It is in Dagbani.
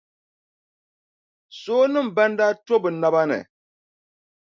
Soonima ban daa to bɛ naba ni.